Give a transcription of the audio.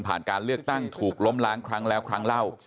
การเลือกตั้งถูกล้มล้างครั้งแล้วครั้งเล่า